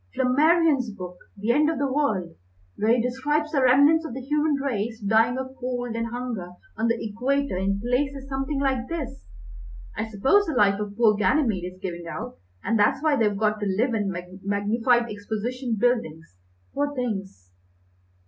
Flammarion's book, 'The End of the World,' where he describes the remnants of the human race dying of cold and hunger on the Equator in places something like this. I suppose the life of poor Ganymede is giving out, and that's why they've got to live in magnified exposition buildings, poor things!"